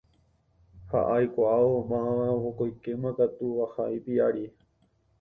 Ha aikuaávo mávapa vokóikema katu aha ipiári.